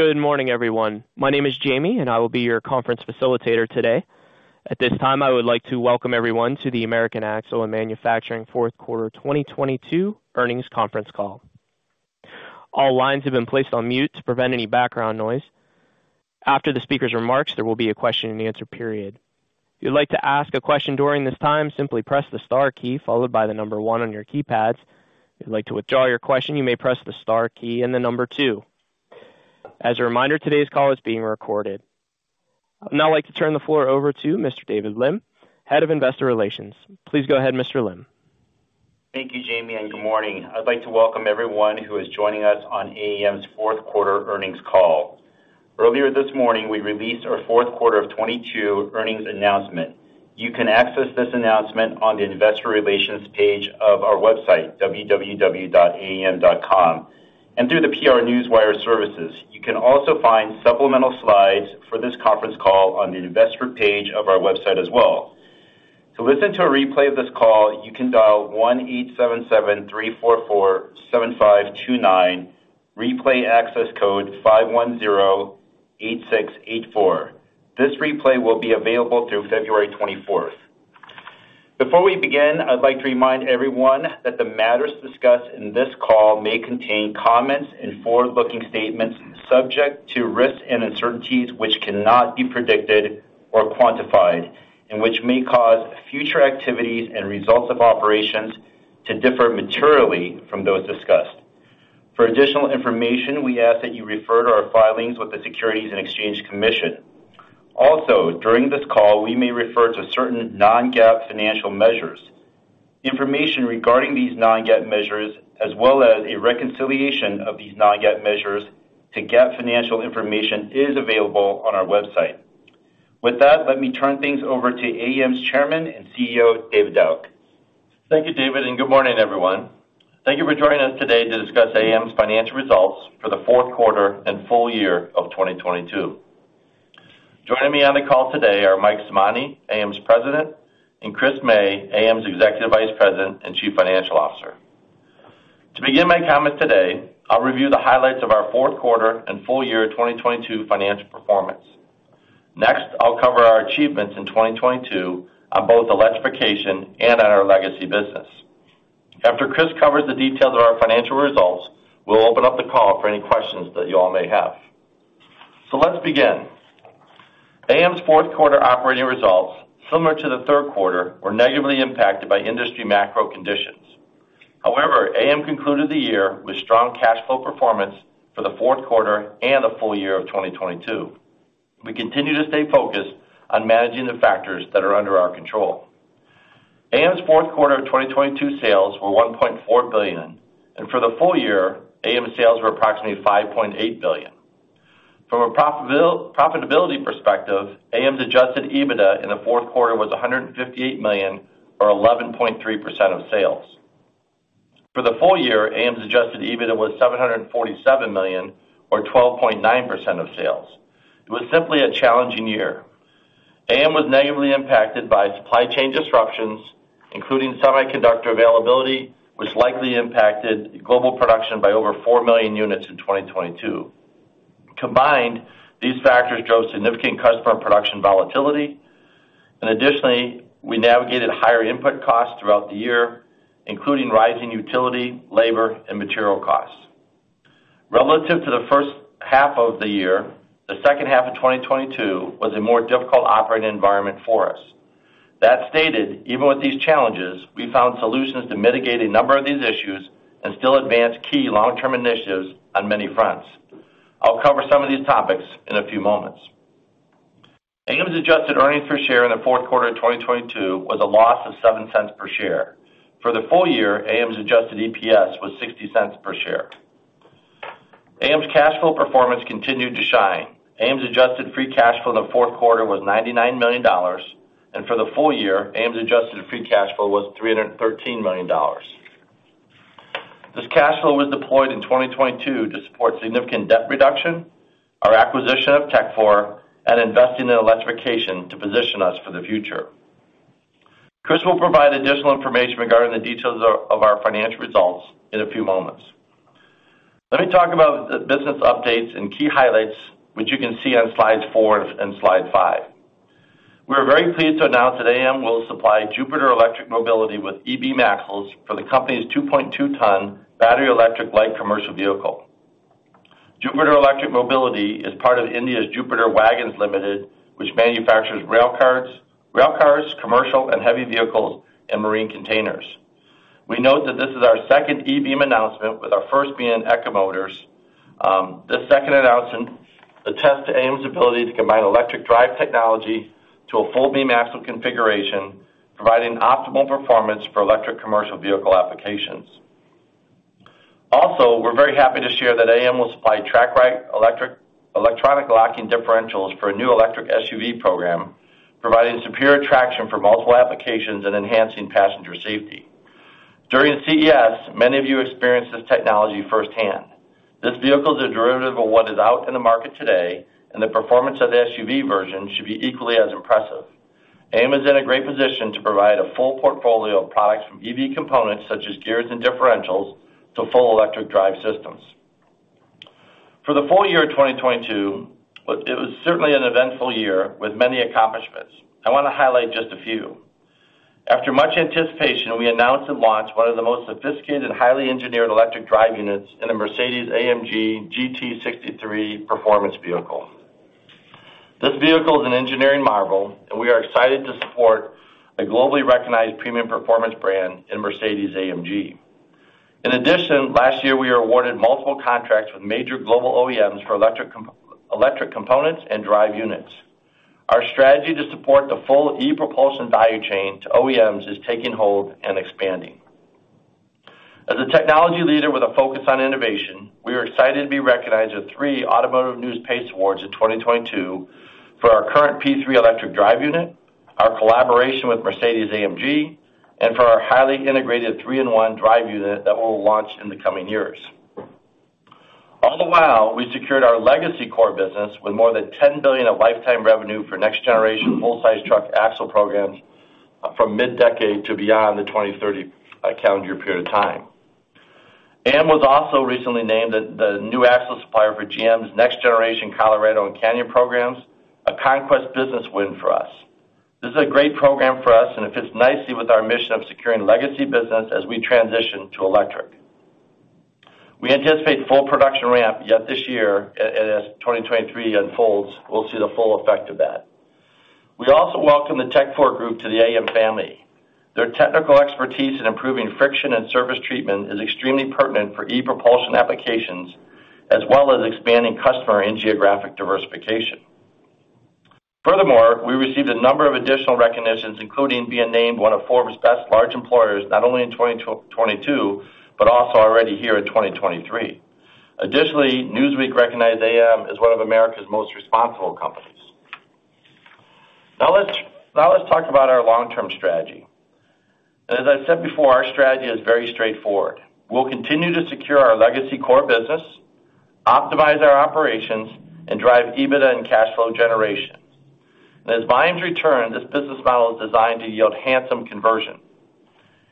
Good morning, everyone. My name is Jamie. I will be your conference facilitator today. At this time, I would like to welcome everyone to the American Axle & Manufacturing Fourth Quarter 2022 Earnings Conference Call. All lines have been placed on mute to prevent any background noise. After the speaker's remarks, there will be a question-and-answer period. If you'd like to ask a question during this time, simply press the star key followed by the 1 on your keypads. If you'd like to withdraw your question, you may press the star key and the 2. As a reminder, today's call is being recorded. I'd now like to turn the floor over to Mr. David Lim, Head of Investor Relations. Please go ahead, Mr. Lim. Thank you, Jamie. Good morning. I'd like to welcome everyone who is joining us on AAM's Fourth Quarter Earnings Call. Earlier this morning, we released our fourth quarter of 2022 earnings announcement. You can access this announcement on the investor relations page of our website, www.aam.com, and through the PR Newswire services. You can also find supplemental slides for this conference call on the investor page of our website as well. To listen to a replay of this call, you can dial 1-877-344-7529, replay access code 5108684. This replay will be available through February 24th. Before we begin, I'd like to remind everyone that the matters discussed in this call may contain comments and forward-looking statements subject to risks and uncertainties which cannot be predicted or quantified and which may cause future activities and results of operations to differ materially from those discussed. For additional information, we ask that you refer to our filings with the Securities and Exchange Commission. Also, during this call, we may refer to certain non-GAAP financial measures. Information regarding these non-GAAP measures, as well as a reconciliation of these non-GAAP measures to GAAP financial information, is available on our website. With that, let me turn things over to AAM's Chairman and CEO, David Dauch. Thank you, David. Good morning, everyone. Thank you for joining us today to discuss AAM's financial results for the fourth quarter and full year of 2022. Joining me on the call today are Mike Simonte, AAM's President, and Chris May, AAM's Executive Vice President and Chief Financial Officer. To begin my comments today, I'll review the highlights of our fourth quarter and full year 2022 financial performance. I'll cover our achievements in 2022 on both electrification and on our legacy business. After Chris covers the details of our financial results, we'll open up the call for any questions that you all may have. Let's begin. AAM's fourth quarter operating results, similar to the third quarter, were negatively impacted by industry macro conditions. AAM concluded the year with strong cash flow performance for the fourth quarter and the full year of 2022. We continue to stay focused on managing the factors that are under our control. AAM's fourth quarter of 2022 sales were $1.4 billion. For the full year, AAM sales were approximately $5.8 billion. From a profitability perspective, AAM's Adjusted EBITDA in the fourth quarter was $158 million or 11.3% of sales. For the full year, AAM's Adjusted EBITDA was $747 million or 12.9% of sales. It was simply a challenging year. AAM was negatively impacted by supply chain disruptions, including semiconductor availability, which likely impacted global production by over 4 million units in 2022. Combined, these factors drove significant customer production volatility. Additionally, we navigated higher input costs throughout the year, including rising utility, labor, and material costs. Relative to the first half of the year, the second half of 2022 was a more difficult operating environment for us. That stated, even with these challenges, we found solutions to mitigate a number of these issues and still advance key long-term initiatives on many fronts. I'll cover some of these topics in a few moments. AAM's adjusted earnings per share in the fourth quarter of 2022 was a loss of $0.07 per share. For the full year, AAM's adjusted EPS was $0.60 per share. AAM's cash flow performance continued to shine. AAM's adjusted free cash flow in the fourth quarter was $99 million. For the full year, AAM's adjusted free cash flow was $313 million. This cash flow was deployed in 2022 to support significant debt reduction, our acquisition of Tekfor, and investing in electrification to position us for the future. Chris will provide additional information regarding the details of our financial results in a few moments. Let me talk about the business updates and key highlights, which you can see on slides 4 and slide 5. We are very pleased to announce that AAM will supply Jupiter Electric Mobility with e-Beam Axles for the company's 2.2-ton battery electric light commercial vehicle. Jupiter Electric Mobility is part of India's Jupiter Wagons Limited, which manufactures rail cars, commercial and heavy vehicles, and marine containers. We note that this is our second e-Beam announcement, with our first being in Echo Motors. This second announcement attests to AAM's ability to combine electric drive technology to a full beam axle configuration, providing optimal performance for electric commercial vehicle applications. We're very happy to share that AAM will supply TracRite Electronic Locking Differentials for a new electric SUV program, providing superior traction for multiple applications and enhancing passenger safety. During CES, many of you experienced this technology firsthand. This vehicle is a derivative of what is out in the market today, the performance of the SUV version should be equally as impressive. AAM is in a great position to provide a full portfolio of products from EV components, such as gears and differentials, to full electric drive systems. For the full year of 2022, well, it was certainly an eventful year with many accomplishments. I wanna highlight just a few. After much anticipation, we announced and launched one of the most sophisticated, highly engineered electric drive units in a Mercedes-AMG GT 63 performance vehicle. This vehicle is an engineering marvel, and we are excited to support a globally recognized premium performance brand in Mercedes-AMG. In addition, last year, we were awarded multiple contracts with major global OEMs for electric components and drive units. Our strategy to support the full e-propulsion value chain to OEMs is taking hold and expanding. As a technology leader with a focus on innovation, we are excited to be recognized with three Automotive News PACE Awards in 2022 for our current P3 Electric Drive Unit, our collaboration with Mercedes-AMG, and for our highly integrated 3-in-1 Drive Unit that we'll launch in the coming years. All the while, we secured our legacy core business with more than $10 billion of lifetime revenue for next generation full-sized truck axle programs, from mid-decade to beyond the 2030 calendar period of time. AAM was also recently named the new axle supplier for GM's next generation Colorado and Canyon programs, a conquest business win for us. This is a great program for us, and it fits nicely with our mission of securing legacy business as we transition to electric. We anticipate full production ramp yet this year. As 2023 unfolds, we'll see the full effect of that. We also welcome the Tekfor Group to the AAM family. Their technical expertise in improving friction and surface treatment is extremely pertinent for e-propulsion applications, as well as expanding customer and geographic diversification. Furthermore, we received a number of additional recognitions, including being named one of Forbes' best large employers, not only in 2022, but also already here in 2023. Additionally, Newsweek recognized AAM as one of America's most responsible companies. Now let's talk about our long-term strategy. As I said before, our strategy is very straightforward. We'll continue to secure our legacy core business, optimize our operations, and drive EBITDA and cash flow generation. As volumes return, this business model is designed to yield handsome conversion.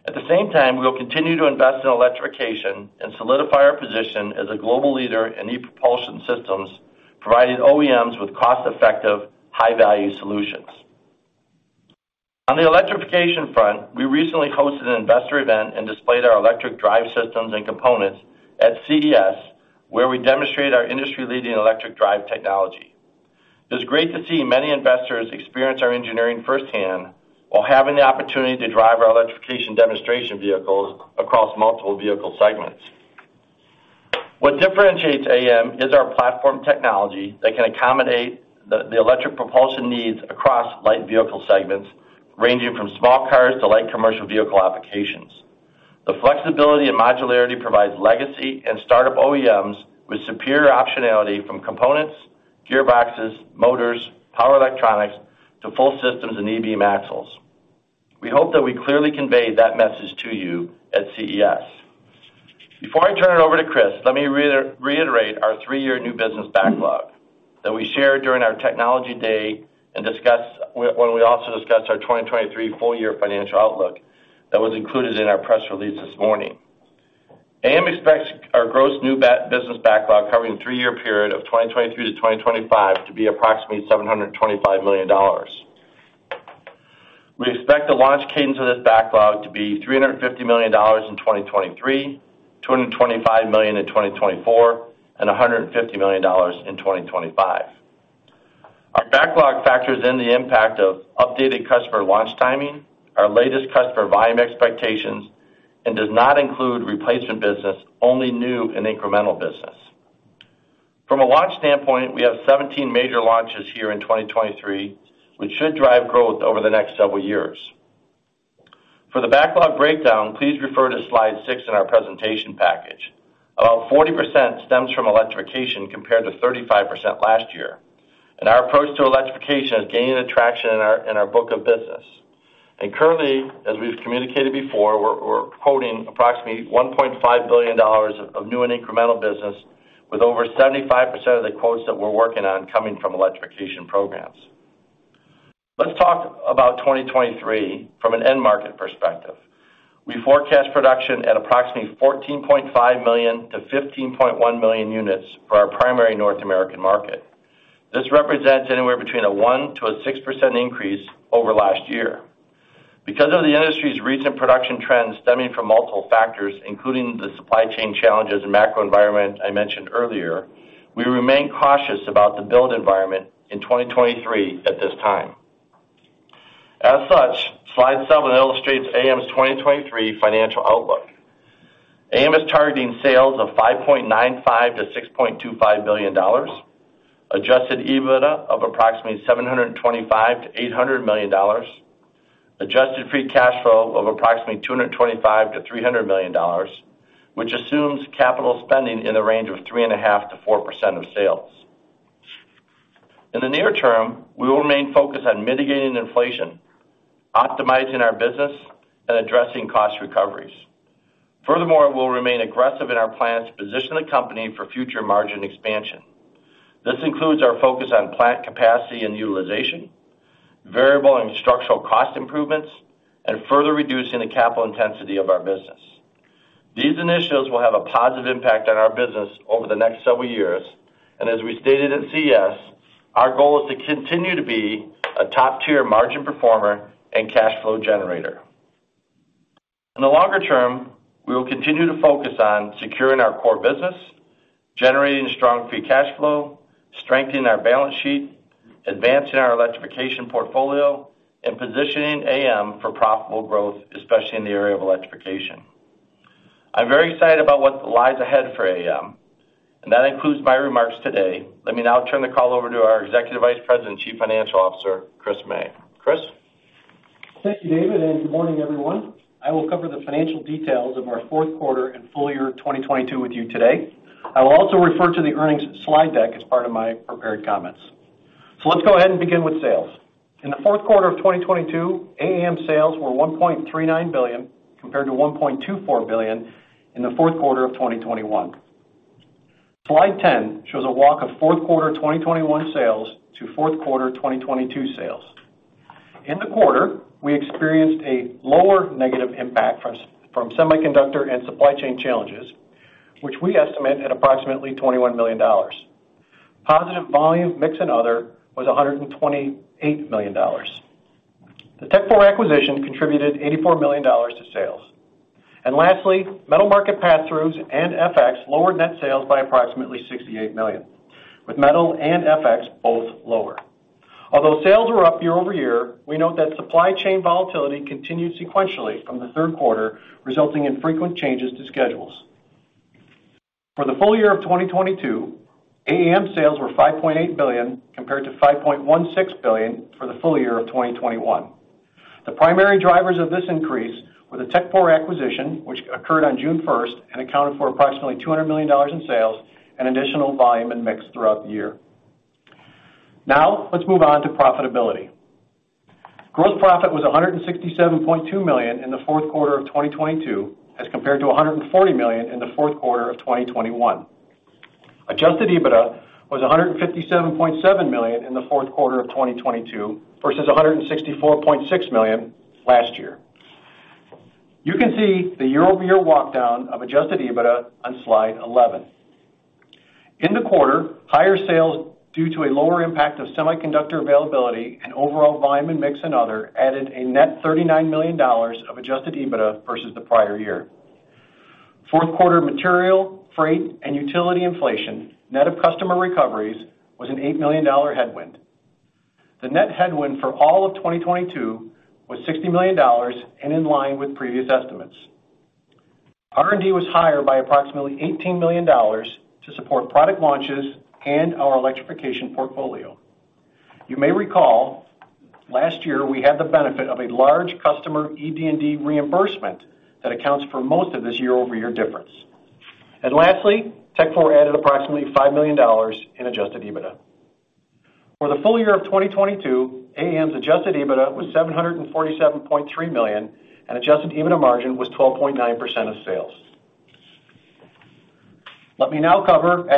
At the same time, we will continue to invest in electrification and solidify our position as a global leader in e-propulsion systems, providing OEMs with cost-effective, high-value solutions. On the electrification front, we recently hosted an investor event and displayed our electric drive systems and components at CES, where we demonstrated our industry-leading electric drive technology. It's great to see many investors experience our engineering firsthand while having the opportunity to drive our electrification demonstration vehicles across multiple vehicle segments. What differentiates AAM is our platform technology that can accommodate the electric propulsion needs across light vehicle segments, ranging from small cars to light commercial vehicle applications. The flexibility and modularity provides legacy and startup OEMs with superior optionality from components, gearboxes, motors, power electronics to full systems and e-Beam Axles. We hope that we clearly conveyed that message to you at CES. Before I turn it over to Chris, let me reiterate our 3-year new business backlog that we shared during our Technology Day when we also discussed our 2023 full year financial outlook that was included in our press release this morning. AAM expects our gross new business backlog covering the three-year period of 2023 to 2025 to be approximately $725 million. We expect the launch cadence of this backlog to be $350 million in 2023, $225 million in 2024, and $150 million in 2025. Our backlog factors in the impact of updated customer launch timing, our latest customer volume expectations, and does not include replacement business, only new and incremental business. From a launch standpoint, we have 17 major launches here in 2023, which should drive growth over the next several years. For the backlog breakdown, please refer to slide 6 in our presentation package. About 40% stems from electrification compared to 35% last year. Our approach to electrification is gaining attraction in our book of business. Currently, as we've communicated before, we're quoting approximately $1.5 billion of new and incremental business, with over 75% of the quotes that we're working on coming from electrification programs. Let's talk about 2023 from an end market perspective. We forecast production at approximately 14.5 million to 15.1 million units for our primary North American market. This represents anywhere between a 1%-6% increase over last year. Because of the industry's recent production trends stemming from multiple factors, including the supply chain challenges and macro environment I mentioned earlier, we remain cautious about the build environment in 2023 at this time. As such, slide 7 illustrates AAM's 2023 financial outlook. AAM is targeting sales of $5.95 billion-$6.25 billion, Adjusted EBITDA of approximately $725 million-$800 million, adjusted free cash flow of approximately $225 million-$300 million, which assumes capital spending in the range of 3.5%-4% of sales. In the near term, we will remain focused on mitigating inflation, optimizing our business, and addressing cost recoveries. Furthermore, we'll remain aggressive in our plans to position the company for future margin expansion. This includes our focus on plant capacity and utilization, variable and structural cost improvements, and further reducing the capital intensity of our business. These initiatives will have a positive impact on our business over the next several years, and as we stated at CES, our goal is to continue to be a top-tier margin performer and cash flow generator. In the longer term, we will continue to focus on securing our core business, generating strong free cash flow, strengthening our balance sheet, advancing our electrification portfolio, and positioning AAM for profitable growth, especially in the area of electrification. I'm very excited about what lies ahead for AAM, and that concludes my remarks today. Let me now turn the call over to our Executive Vice President, Chief Financial Officer, Chris May. Chris. Thank you, David. Good morning, everyone. I will cover the financial details of our fourth quarter and full year 2022 with you today. I will also refer to the earnings slide deck as part of my prepared comments. Let's go ahead and begin with sales. In the fourth quarter of 2022, AAM sales were $1.39 billion, compared to $1.24 billion in the fourth quarter of 2021. Slide 10 shows a walk of fourth quarter 2021 sales to fourth quarter 2022 sales. In the quarter, we experienced a lower negative impact from semiconductor and supply chain challenges, which we estimate at approximately $21 million. Positive volume, mix and other was $128 million. The Tekfor acquisition contributed $84 million to sales. Lastly, metal market passthroughs and FX lowered net sales by approximately $68 million, with metal and FX both lower. Although sales were up year-over-year, we note that supply chain volatility continued sequentially from the third quarter, resulting in frequent changes to schedules. For the full year of 2022, AAM sales were $5.8 billion, compared to $5.16 billion for the full year of 2021. The primary drivers of this increase were the Tekfor acquisition, which occurred on June first and accounted for approximately $200 million in sales and additional volume and mix throughout the year. Let's move on to profitability. Gross profit was $167.2 million in the fourth quarter of 2022, as compared to $140 million in the fourth quarter of 2021. Adjusted EBITDA was $157.7 million in the fourth quarter of 2022 versus $164.6 million last year. You can see the year-over-year walk down of Adjusted EBITDA on slide 11. In the quarter, higher sales due to a lower impact of semiconductor availability and overall volume and mix and other added a net $39 million of Adjusted EBITDA versus the prior year. Fourth quarter material, freight, and utility inflation, net of customer recoveries, was an $8 million headwind. The net headwind for all of 2022 was $60 million and in line with previous estimates. R&D was higher by approximately $18 million to support product launches and our electrification portfolio. You may recall, last year, we had the benefit of a large customer ED&D reimbursement that accounts for most of this year-over-year difference. Lastly, Tekfor added approximately $5 million in Adjusted EBITDA. For the full year of 2022, AAM's Adjusted EBITDA was $747.3 million, and Adjusted EBITDA margin was 12.9% of sales. Let me now cover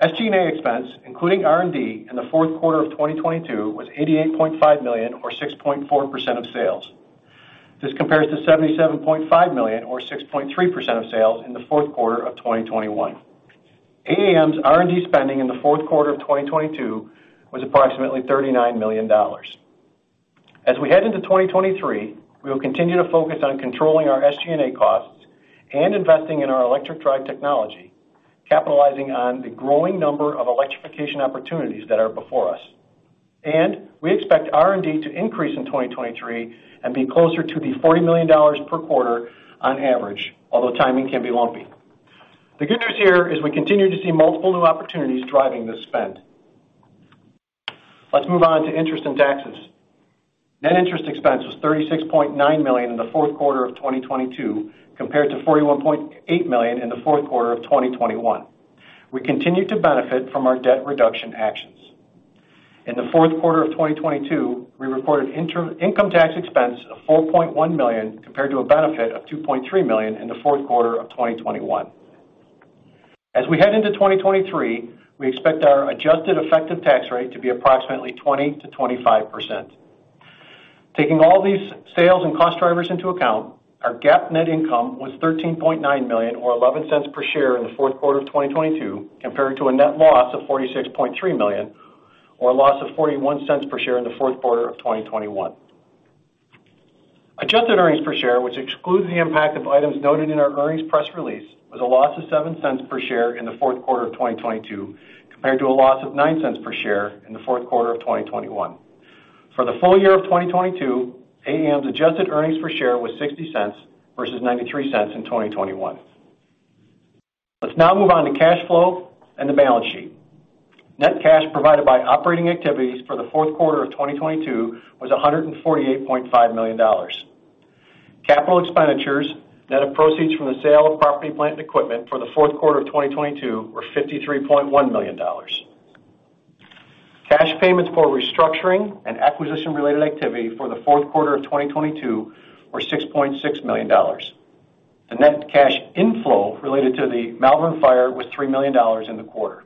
SG&A. SG&A expense, including R&D, in the fourth quarter of 2022 was $88.5 million or 6.4% of sales. This compares to $77.5 million or 6.3% of sales in the fourth quarter of 2021. AAM's R&D spending in the fourth quarter of 2022 was approximately $39 million. As we head into 2023, we will continue to focus on controlling our SG&A costs and investing in our electric drive technology, capitalizing on the growing number of electrification opportunities that are before us. We expect R&D to increase in 2023 and be closer to $40 million per quarter on average, although timing can be lumpy. The good news here is we continue to see multiple new opportunities driving this spend. Let's move on to interest and taxes. Net interest expense was $36.9 million in the fourth quarter of 2022, compared to $41.8 million in the fourth quarter of 2021. We continue to benefit from our debt reduction actions. In the fourth quarter of 2022, we reported income tax expense of $4.1 million, compared to a benefit of $2.3 million in the fourth quarter of 2021. We head into 2023, we expect our adjusted effective tax rate to be approximately 20%-25%. Taking all these sales and cost drivers into account, our GAAP net income was $13.9 million or $0.11 per share in the fourth quarter of 2022, compared to a net loss of $46.3 million or a loss of $0.41 per share in the fourth quarter of 2021. Adjusted earnings per share, which excludes the impact of items noted in our earnings press release, was a loss of $0.07 per share in the fourth quarter of 2022, compared to a loss of $0.09 per share in the fourth quarter of 2021. For the full year of 2022, AAM's adjusted earnings per share was $0.60 versus $0.93 in 2021. Let's now move on to cash flow and the balance sheet. Net cash provided by operating activities for the fourth quarter of 2022 was $148.5 million. Capital expenditures, net of proceeds from the sale of property, plant, and equipment for the fourth quarter of 2022 were $53.1 million. Cash payments for restructuring and acquisition-related activity for the fourth quarter of 2022 were $6.6 million. The net cash inflow related to the Malvern fire was $3 million in the quarter.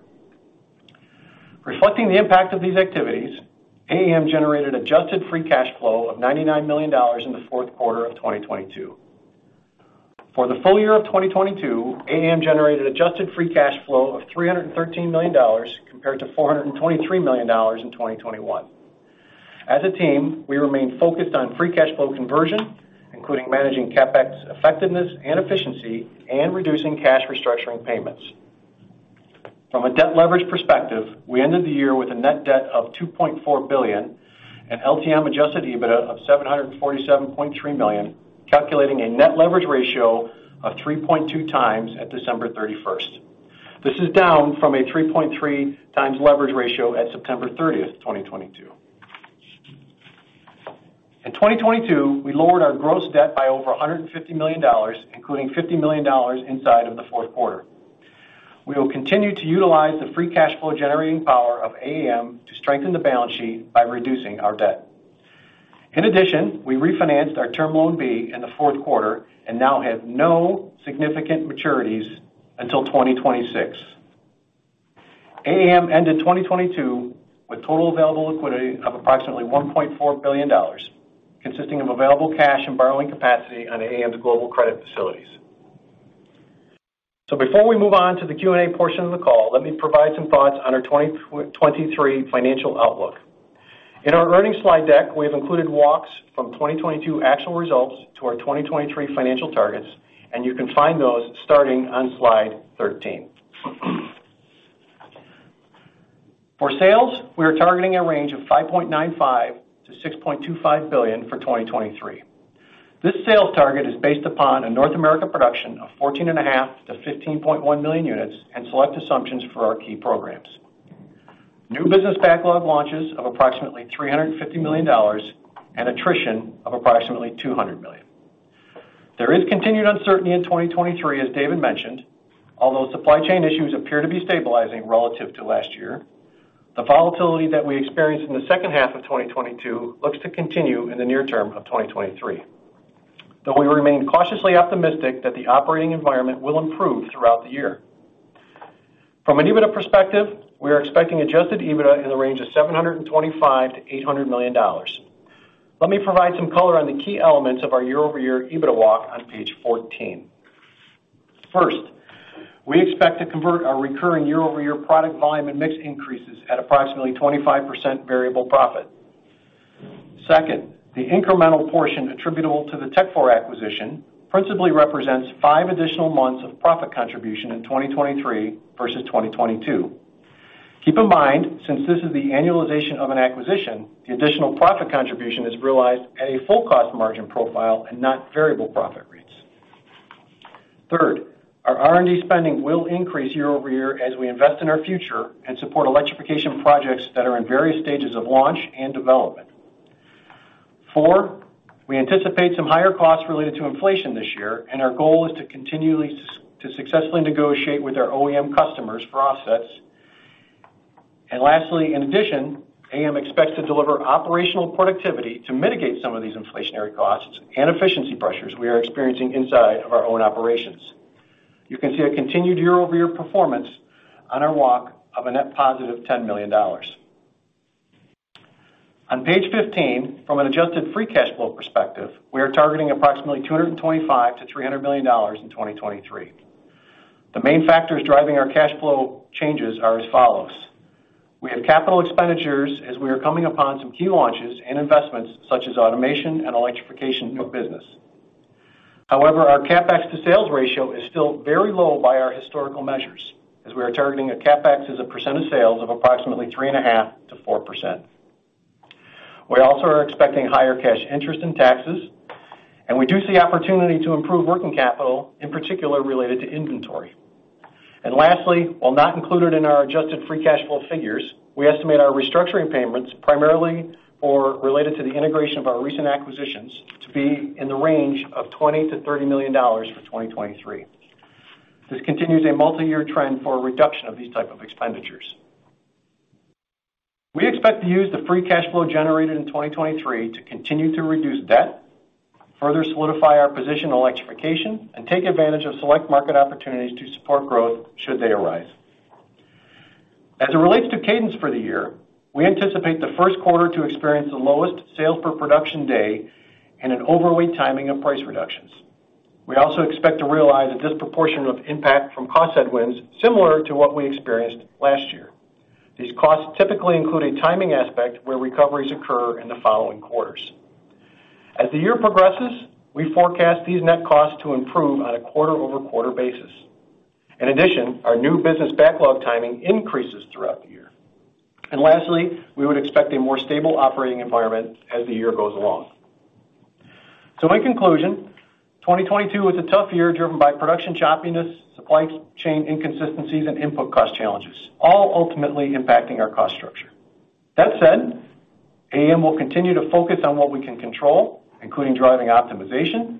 Reflecting the impact of these activities, AAM generated adjusted free cash flow of $99 million in the fourth quarter of 2022. For the full year of 2022, AAM generated adjusted free cash flow of $313 million compared to $423 million in 2021. As a team, we remain focused on free cash flow conversion, including managing CapEx effectiveness and efficiency and reducing cash restructuring payments. From a debt leverage perspective, we ended the year with a net debt of $2.4 billion and LTM Adjusted EBITDA of $747.3 million, calculating a net leverage ratio of 3.2 times at December 31st. This is down from a 3.3 times leverage ratio at September 30th, 2022. In 2022, we lowered our gross debt by over $150 million, including $50 million inside of the fourth quarter. We will continue to utilize the free cash flow-generating power of AAM to strengthen the balance sheet by reducing our debt. We refinanced our Term Loan B in the fourth quarter and now have no significant maturities until 2026. AAM ended 2022 with total available liquidity of approximately $1.4 billion, consisting of available cash and borrowing capacity on AAM's global credit facilities. Before we move on to the Q&A portion of the call, let me provide some thoughts on our 2023 financial outlook. In our earnings slide deck, we have included walks from 2022 actual results to our 2023 financial targets. You can find those starting on slide 13. For sales, we are targeting a range of $5.95 billion-$6.25 billion for 2023. This sales target is based upon a North America production of 14.5 million-15.1 million units and select assumptions for our key programs. New business backlog launches of approximately $350 million and attrition of approximately $200 million. There is continued uncertainty in 2023, as David mentioned. Although supply chain issues appear to be stabilizing relative to last year, the volatility that we experienced in the second half of 2022 looks to continue in the near term of 2023, though we remain cautiously optimistic that the operating environment will improve throughout the year. From an Adjusted EBITDA perspective, we are expecting Adjusted EBITDA in the range of $725 million-$800 million. Let me provide some color on the key elements of our year-over-year EBITDA walk on page 14. First, we expect to convert our recurring year-over-year product volume and mix increases at approximately 25% variable profit. Second, the incremental portion attributable to the Tekfor acquisition principally represents 5 additional months of profit contribution in 2023 versus 2022. Keep in mind, since this is the annualization of an acquisition, the additional profit contribution is realized at a full cost margin profile and not variable profit rates. Third, our R&D spending will increase year-over-year as we invest in our future and support electrification projects that are in various stages of launch and development. 4, we anticipate some higher costs related to inflation this year, and our goal is to successfully negotiate with our OEM customers for offsets. Lastly, in addition, AAM expects to deliver operational productivity to mitigate some of these inflationary costs and efficiency pressures we are experiencing inside of our own operations. You can see a continued year-over-year performance on our walk of a net positive $10 million. On page 15, from an adjusted free cash flow perspective, we are targeting approximately $225 million-$300 million in 2023. The main factors driving our cash flow changes are as follows. We have capital expenditures as we are coming upon some key launches and investments such as automation and electrification new business. However, our CapEx to sales ratio is still very low by our historical measures, as we are targeting a CapEx as a % of sales of approximately 3.5%-4%. We also are expecting higher cash interest in taxes, and we do see opportunity to improve working capital, in particular related to inventory. Lastly, while not included in our adjusted free cash flow figures, we estimate our restructuring payments primarily or related to the integration of our recent acquisitions to be in the range of $20 million-$30 million for 2023. This continues a multi-year trend for a reduction of these type of expenditures. We expect to use the free cash flow generated in 2023 to continue to reduce debt, further solidify our position on electrification, and take advantage of select market opportunities to support growth should they arise. It relates to cadence for the year, we anticipate the first quarter to experience the lowest sales per production day and an overweight timing of price reductions. We also expect to realize a disproportionate impact from cost headwinds similar to what we experienced last year. These costs typically include a timing aspect where recoveries occur in the following quarters. As the year progresses, we forecast these net costs to improve on a quarter-over-quarter basis. In addition, our new business backlog timing increases throughout the year. Lastly, we would expect a more stable operating environment as the year goes along. In conclusion, 2022 was a tough year driven by production choppiness, supply chain inconsistencies, and input cost challenges, all ultimately impacting our cost structure. That said, AAM will continue to focus on what we can control, including driving optimization,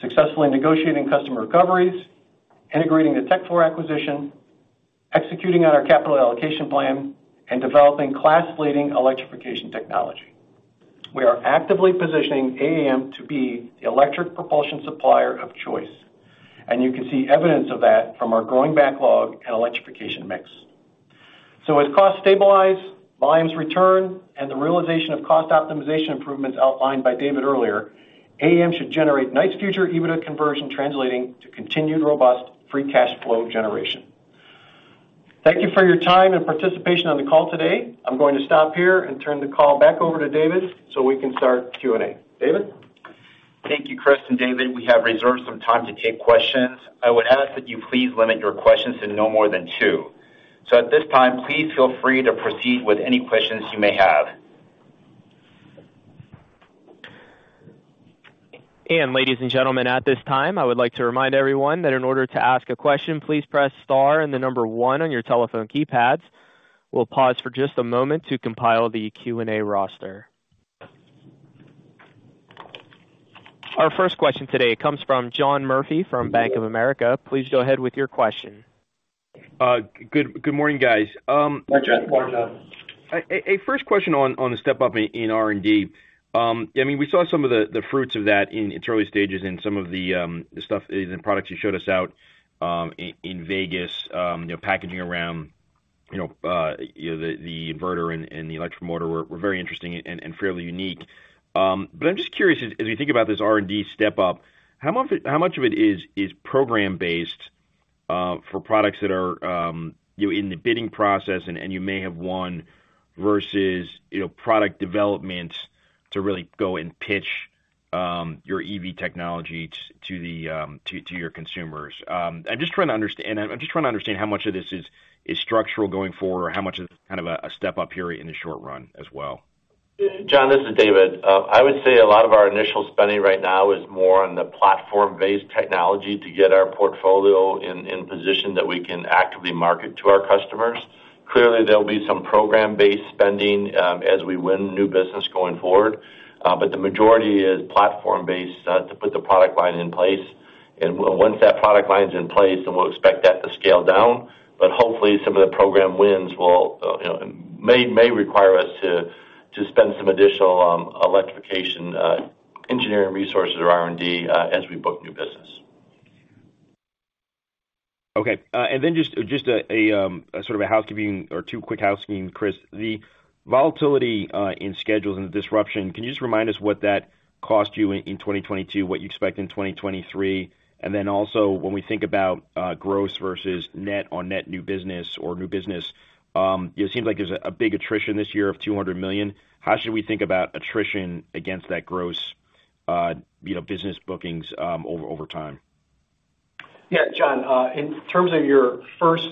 successfully negotiating customer recoveries, integrating the Tekfor acquisition, executing on our capital allocation plan, and developing class-leading electrification technology. We are actively positioning AAM to be the electric propulsion supplier of choice, and you can see evidence of that from our growing backlog and electrification mix. As costs stabilize, volumes return, and the realization of cost optimization improvements outlined by David earlier, AAM should generate nice future EBITDA conversion translating to continued robust free cash flow generation. Thank you for your time and participation on the call today. I'm going to stop here and turn the call back over to David so we can start Q&A. David? Thank you, Chris and David. We have reserved some time to take questions. I would ask that you please limit your questions to no more than 2. At this time, please feel free to proceed with any questions you may have. Ladies and gentlemen, at this time, I would like to remind everyone that in order to ask a question, please press star and the number 1 on your telephone keypads. We'll pause for just a moment to compile the Q&A roster. Our first question today comes from John Murphy from Bank of America. Please go ahead with your question. Good morning, guys. Good morning, John. A first question on the step-up in R&D. I mean, we saw some of the fruits of that in its early stages in some of the products you showed us out in Vegas, you know, packaging around, you know, the inverter and the electric motor were very interesting and fairly unique. But I'm just curious, as you think about this R&D step up, how much of it is program based for products that are, you know, in the bidding process and you may have won versus, you know, product development to really go and pitch your EV technology to your consumers? I'm just trying to understand how much of this is structural going forward or how much is kind of a step-up period in the short run as well. John, this is David. I would say a lot of our initial spending right now is more on the platform-based technology to get our portfolio in position that we can actively market to our customers. Clearly, there'll be some program-based spending as we win new business going forward. The majority is platform-based to put the product line in place. Once that product line is in place, then we'll expect that to scale down. Hopefully, some of the program wins will, you know, may require us to spend some additional electrification engineering resources or R&D as we book new business. Okay. Just a sort of a housekeeping or two quick housekeep, Chris. The volatility in schedules and the disruption, can you just remind us what that cost you in 2022, what you expect in 2023? When we think about gross versus net on net new business or new business, it seems like there's a big attrition this year of $200 million. How should we think about attrition against that gross, you know, business bookings over time? Yeah, John, in terms of your first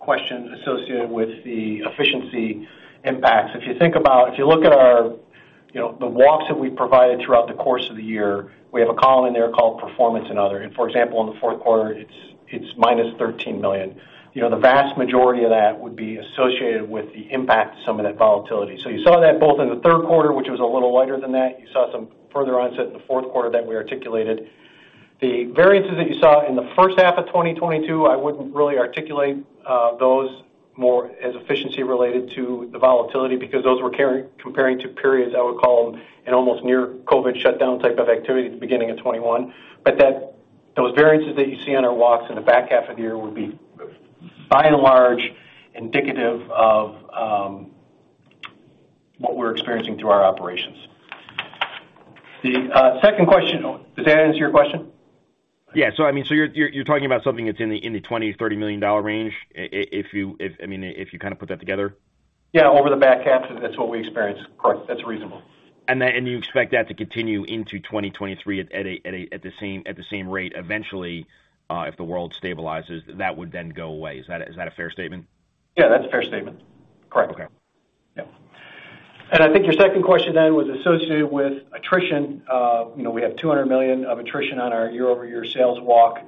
question associated with the efficiency impacts, if you look at our, you know, the walks that we provided throughout the course of the year, we have a column in there called performance and other. For example, in the fourth quarter, it's minus $13 million. You know, the vast majority of that would be associated with the impact of some of that volatility. You saw that both in the third quarter, which was a little lighter than that. You saw some further onset in the fourth quarter that we articulated. The variances that you saw in the first half of 2022, I wouldn't really articulate those more as efficiency related to the volatility because those were comparing to periods I would call an almost near COVID shutdown type of activity at the beginning of 2021. Those variances that you see on our walks in the back half of the year would be by and large indicative of what we're experiencing through our operations. The second question. Does that answer your question? Yeah. I mean, you're talking about something that's in the $20 million-$30 million range if you, I mean, if you kinda put that together? Yeah, over the back half, that's what we experienced. Correct. That's reasonable. You expect that to continue into 2023 at the same rate eventually, if the world stabilizes, that would then go away. Is that a fair statement? Yeah, that's a fair statement. Correct. Okay. Yeah. I think your second question then was associated with attrition. You know, we have $200 million of attrition on our year-over-year sales walk.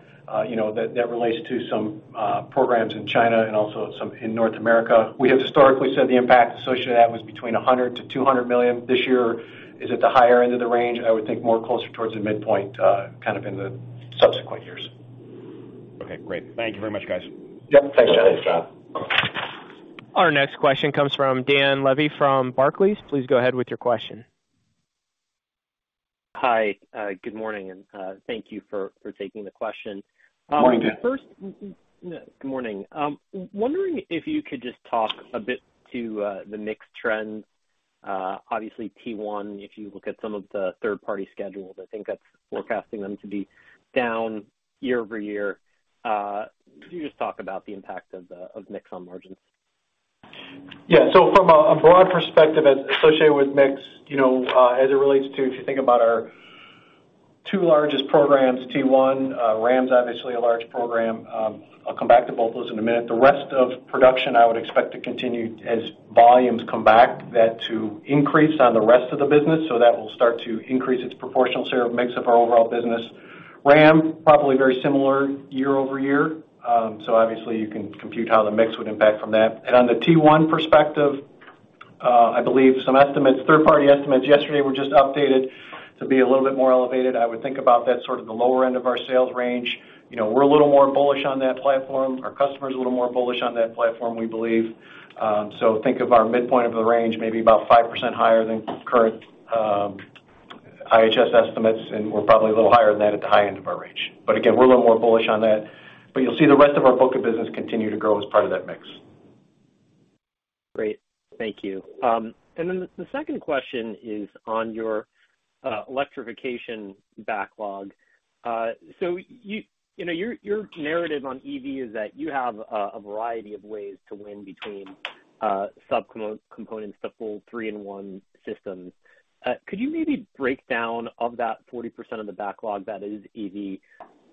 You know, that relates to some programs in China and also some in North America. We have historically said the impact associated with that was between $100 million-$200 million. This year is at the higher end of the range, I would think more closer towards the midpoint, kind of in the subsequent years. Okay, great. Thank you very much, guys. Yep. Thanks, John. Thanks, John. Our next question comes from Dan Levy from Barclays. Please go ahead with your question. Hi. Good morning, and thank you for taking the question. Morning, Dan. First. Good morning. Wondering if you could just talk a bit to the mix trends? Obviously T1, if you look at some of the third party schedules, I think that's forecasting them to be down year-over-year. Could you just talk about the impact of mix on margins? Yeah. From a broad perspective as associated with mix, you know, as it relates to, if you think about our two largest programs, T1, RAM's obviously a large program. I'll come back to both those in a minute. The rest of production, I would expect to continue as volumes come back, that to increase on the rest of the business. That will start to increase its proportional share of mix of our overall businessRAM, probably very similar year-over-year. Obviously you can compute how the mix would impact from that. On the T1 perspective, I believe some estimates, third-party estimates yesterday were just updated to be a little bit more elevated. I would think about that sort of the lower end of our sales range. You know, we're a little more bullish on that platform. Our customers are a little more bullish on that platform, we believe. So think of our midpoint of the range maybe about 5% higher than current IHS estimates, and we're probably a little higher than that at the high end of our range. Again, we're a little more bullish on that. You'll see the rest of our book of business continue to grow as part of that mix. Great. Thank you. The second question is on your electrification backlog. You know, your narrative on EV is that you have a variety of ways to win between subcomponents to full 3-in-1 systems. Could you maybe break down of that 40% of the backlog that is EV?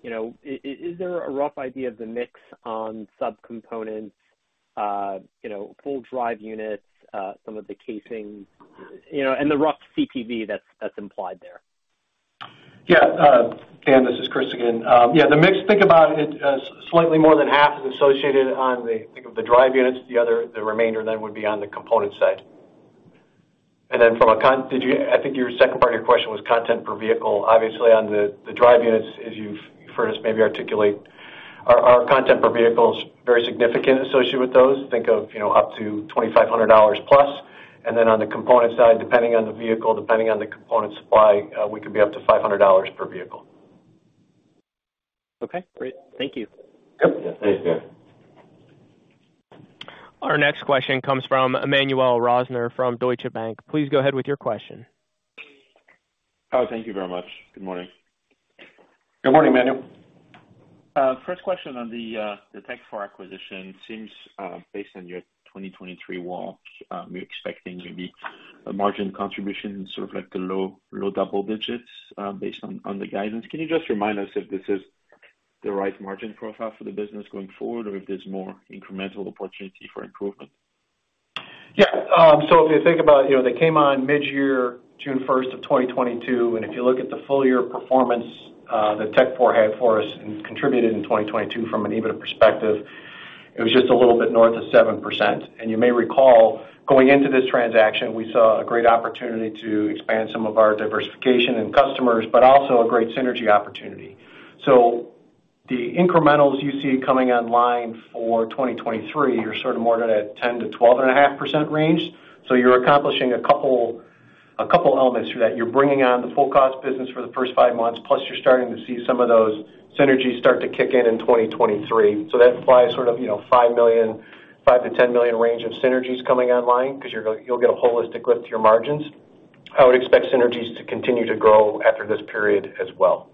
You know, is there a rough idea of the mix on subcomponents, you know, full drive units, some of the casing, you know, and the rough CPV that's implied there? Yeah. Dan, this is Chris again. Yeah, the mix, think about it as slightly more than half is associated on the, think of the drive units. The other, the remainder then would be on the component side. From a did you, I think your second part of your question was content per vehicle. Obviously on the drive units, as you've heard us maybe articulate, our content per vehicle is very significant associated with those. Think of, you know, up to $2,500 plus. On the component side, depending on the vehicle, depending on the component supply, we could be up to $500 per vehicle. Okay, great. Thank you. Yep. Yeah. Thanks, Dan. Our next question comes from Emmanuel Rosner from Deutsche Bank. Please go ahead with your question. Oh, thank you very much. Good morning. Good morning, Emmanuel. First question on the Tekfor acquisition. Seems, based on your 2023 walk, you're expecting maybe a margin contribution, sort of like the low, low double digits, based on the guidance. Can you just remind us if this is the right margin profile for the business going forward, or if there's more incremental opportunity for improvement? Yeah. If you think about, you know, they came on midyear, June 1st of 2022, if you look at the full year performance that Tekfor had for us and contributed in 2022 from an EBITDA perspective, it was just a little bit north of 7%. You may recall, going into this transaction, we saw a great opportunity to expand some of our diversification and customers, also a great synergy opportunity. The incrementals you see coming online for 2023 are sort of more at a 10% to 12.5% range. You're accomplishing a couple elements through that. You're bringing on the full cost business for the first 5 months, plus you're starting to see some of those synergies start to kick in in 2023. That implies sort of, you know, $5 million, $5 million-$10 million range of synergies coming online because you'll get a holistic lift to your margins. I would expect synergies to continue to grow after this period as well.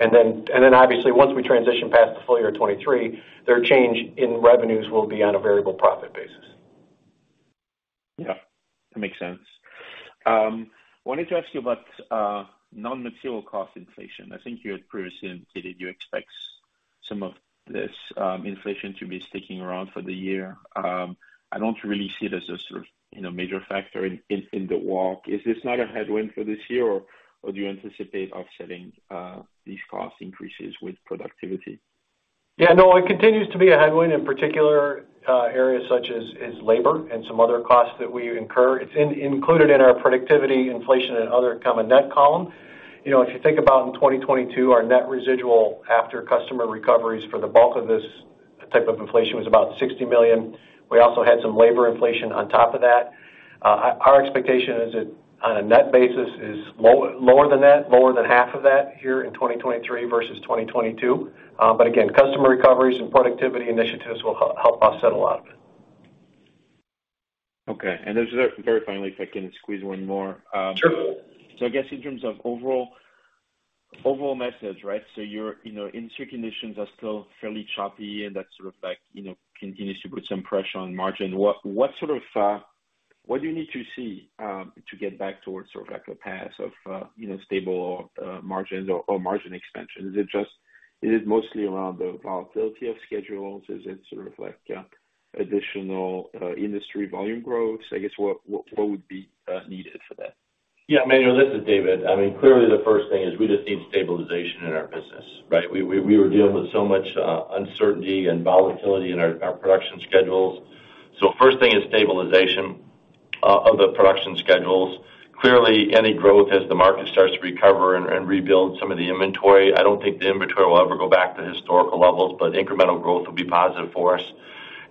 Obviously, once we transition past the full year of 2023, their change in revenues will be on a variable profit basis. Yeah, that makes sense. Wanted to ask you about non-material cost inflation. I think you had previously indicated you expect some of this inflation to be sticking around for the year. I don't really see it as a sort of, you know, major factor in, in the walk. Is this not a headwind for this year, or do you anticipate offsetting these cost increases with productivity? Yeah, no, it continues to be a headwind in particular, areas such as labor and some other costs that we incur. It's included in our productivity, inflation and other common net column. You know, if you think about in 2022, our net residual after customer recoveries for the bulk of this type of inflation was about $60 million. We also had some labor inflation on top of that. Our expectation is that on a net basis is lower than that, lower than half of that here in 2023 versus 2022. Again, customer recoveries and productivity initiatives will help offset a lot of it. Okay. Just, very finally, if I can squeeze one more. Sure. I guess in terms of overall message, right? You're, you know, industry conditions are still fairly choppy, and that sort of like, you know, continues to put some pressure on margin. What sort of, what do you need to see, to get back towards sort of like a path of, you know, stable, margins or margin expansion? Is it mostly around the volatility of schedules? Is it sort of like, additional, industry volume growth? I guess, what would be needed for that? Emmanuel, this is David. I mean, clearly the first thing is we just need stabilization in our business, right? We were dealing with so much uncertainty and volatility in our production schedules. First thing is stabilization of the production schedules. Clearly, any growth as the market starts to recover and rebuild some of the inventory. I don't think the inventory will ever go back to historical levels, but incremental growth will be positive for us.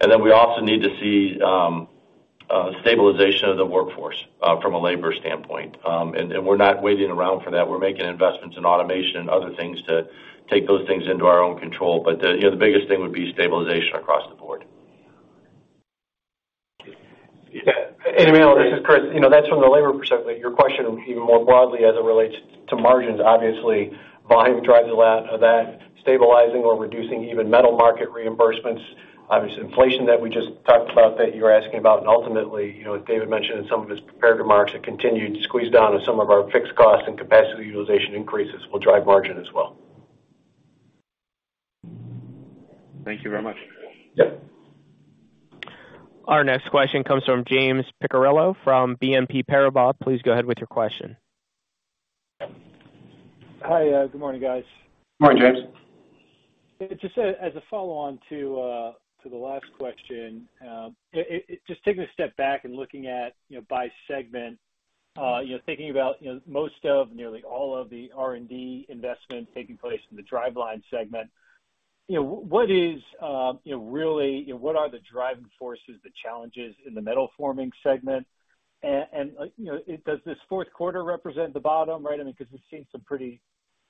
Then we also need to see stabilization of the workforce from a labor standpoint. We're not waiting around for that. We're making investments in automation and other things to take those things into our own control. The, you know, the biggest thing would be stabilization across the board. Thank you. Yeah. Emmanuel, this is Chris. You know, that's from the labor perspective. Your question even more broadly as it relates to margins, obviously, volume drives a lot of that. Stabilizing or reducing even metal market reimbursements. Obviously, inflation that we just talked about that you're asking about. Ultimately, you know, as David mentioned in some of his prepared remarks, a continued squeeze down on some of our fixed costs and capacity utilization increases will drive margin as well. Thank you very much. Yep. Our next question comes from James Picariello from BNP Paribas. Please go ahead with your question. Hi. Good morning, guys. Good morning, James. Just as a follow-on to the last question, just taking a step back and looking at, you know, by segment, you know, thinking about, you know, most of nearly all of the R&D investment taking place in the driveline segment, you know, what is, you know, really, you know, what are the driving forces, the challenges in the metal forming segment? Does this fourth quarter represent the bottom, right? I mean, because we've seen some pretty,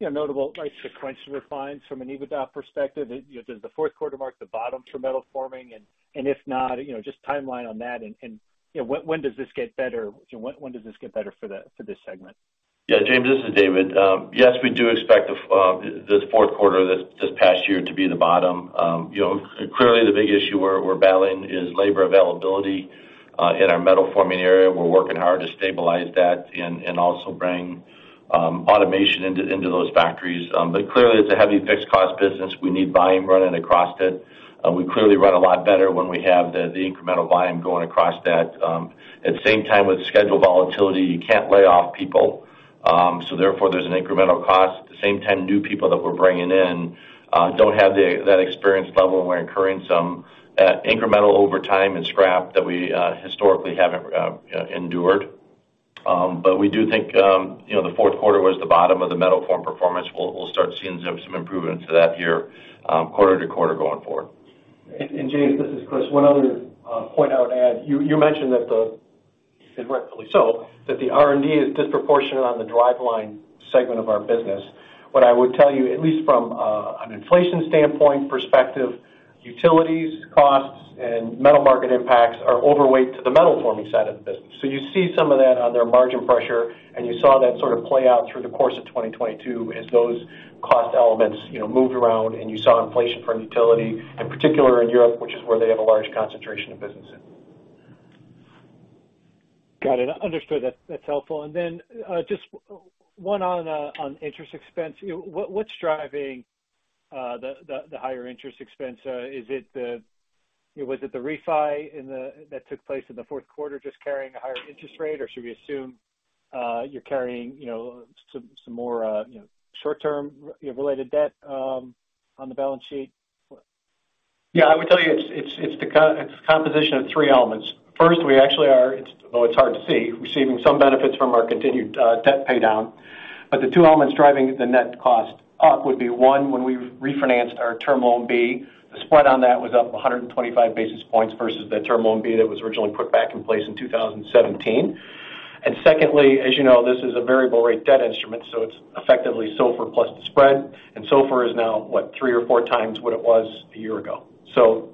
you know, notable, right, sequential refines from an EBITDA perspective. You know, does the fourth quarter mark the bottom for metal forming? If not, you know, just timeline on that and, you know, when does this get better? When does this get better for this segment? Yeah. James, this is David. Yes, we do expect this fourth quarter, this past year to be the bottom. You know, clearly the big issue we're battling is labor availability in our metal forming area. We're working hard to stabilize that and also bring automation into those factories. Clearly it's a heavy fixed cost business. We need volume running across it. We clearly run a lot better when we have the incremental volume going across that. At the same time, with schedule volatility, you can't lay off people. Therefore, there's an incremental cost. At the same time, new people that we're bringing in don't have that experience level, and we're incurring some incremental overtime and scrap that we historically haven't endured. We do think, you know, the fourth quarter was the bottom of the metal form performance. We'll start seeing some improvements to that here, quarter to quarter going forward. James, this is Chris. One other point I would add. You mentioned that the, and rightfully so, that the R&D is disproportionate on the driveline segment of our business. What I would tell you, at least from an inflation standpoint perspective, utilities costs and metal market impacts are overweight to the metal forming side of the business. You see some of that on their margin pressure, and you saw that sort of play out through the course of 2022 as those cost elements, you know, moved around and you saw inflation for utility, in particular in Europe, which is where they have a large concentration of business in. Got it. Understood. That's helpful. Just one on interest expense. What's driving the higher interest expense? Was it the refi that took place in the fourth quarter just carrying a higher interest rate, or should we assume, you're carrying, you know, some more, you know, short-term related debt on the balance sheet? Yeah, I would tell you it's the composition of three elements. First, we actually are, well, it's hard to see, receiving some benefits from our continued debt paydown. The two elements driving the net cost up would be, one, when we refinanced our Term Loan B, the spread on that was up 125 basis points versus the Term Loan B that was originally put back in place in 2017. Secondly, as you know, this is a variable rate debt instrument, so it's effectively SOFR plus the spread. SOFR is now, what, 3 or 4 times what it was a year ago.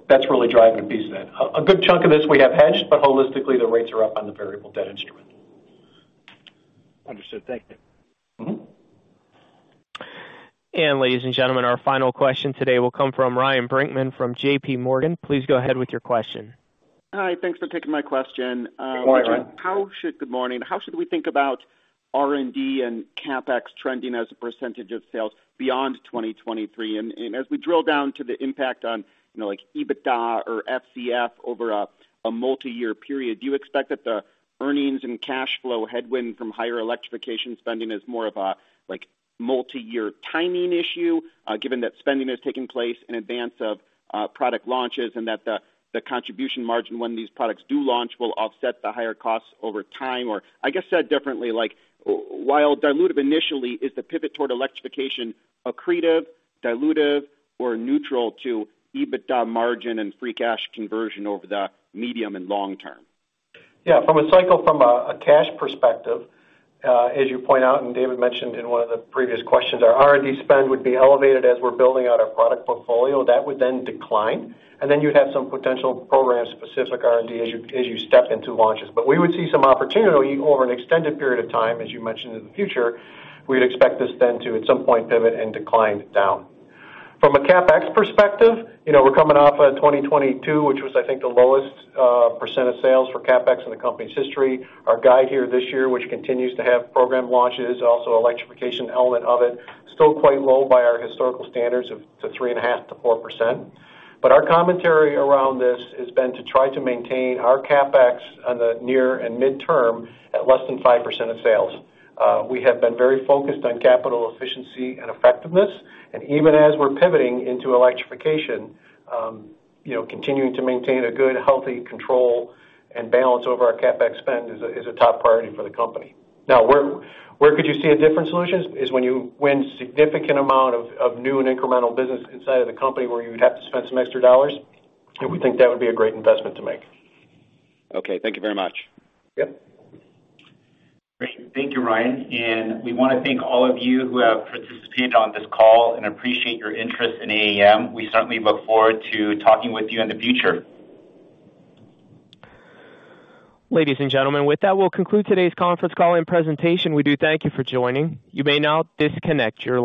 That's really driving a piece of that. A good chunk of this we have hedged, but holistically, the rates are up on the variable debt instrument. Understood. Thank you. Mm-hmm. Ladies and gentlemen, our final question today will come from Ryan Brinkman from J.P. Morgan. Please go ahead with your question. Hi. Thanks for taking my question. Good morning. Good morning. How should we think about R&D and CapEx trending as a percentage of sales beyond 2023? As we drill down to the impact on, you know, like EBITDA or FCF over a multi-year period, do you expect that the earnings and cash flow headwind from higher electrification spending is more of a, like, multi-year timing issue, given that spending is taking place in advance of product launches and that the contribution margin when these products do launch will offset the higher costs over time? Or I guess said differently, like while dilutive initially, is the pivot toward electrification accretive, dilutive, or neutral to EBITDA margin and free cash conversion over the medium and long term? Yeah. From a cycle from a cash perspective, as you point out and David mentioned in one of the previous questions, our R&D spend would be elevated as we're building out our product portfolio. That would then decline, and then you'd have some potential program-specific R&D as you step into launches. We would see some opportunity over an extended period of time, as you mentioned, in the future, we'd expect this then to, at some point, pivot and decline down. From a CapEx perspective, you know, we're coming off of 2022, which was I think the lowest % of sales for CapEx in the company's history. Our guide here this year, which continues to have program launches, also electrification element of it, still quite low by our historical standards of to 3.5%-4%. Our commentary around this has been to try to maintain our CapEx on the near and midterm at less than 5% of sales. We have been very focused on capital efficiency and effectiveness. Even as we're pivoting into electrification, you know, continuing to maintain a good, healthy control and balance over our CapEx spend is a top priority for the company. Now, where could you see a different solution is when you win significant amount of new and incremental business inside of the company where you would have to spend some extra dollars, and we think that would be a great investment to make. Okay, thank you very much. Yep. Great. Thank you, Ryan. We wanna thank all of you who have participated on this call and appreciate your interest in AAM. We certainly look forward to talking with you in the future. Ladies and gentlemen, with that, we'll conclude today's conference call and presentation. We do thank you for joining. You may now disconnect your line.